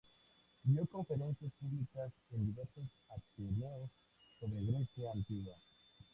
Dio conferencias públicas en diversos ateneos, sobre Grecia antigua.